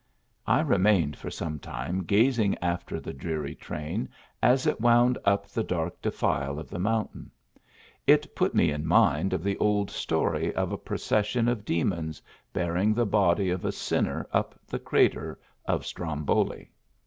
I remained for some time gazing after the dreary train as it wound up the dark defile of the mountain. It put me in mind of the old story of a procession of demons, bearing the body of a sinner up the crater of Stromboli.